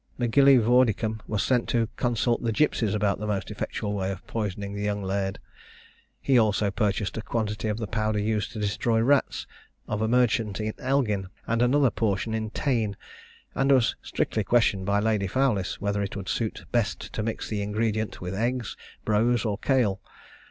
M'Gillievoricdam was sent to consult the gipsies about the most effectual way of poisoning the young laird. He also purchased a quantity of the powder used to destroy rats, of a merchant in Elgin, and another portion in Tain, and was strictly questioned by Lady Fowlis, whether it would suit best to mix the ingredient with egg, brose, or kail.